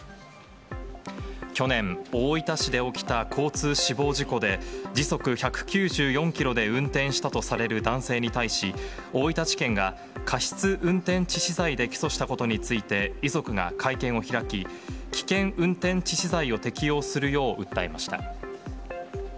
去年、大分市で起きた交通死亡事故で、時速１９４キロで運転したとされる男性に対し、大分地検が過失運転致死罪で起訴したことについて遺族が会見を開き、危険運転致死罪を適用するよう訴えました。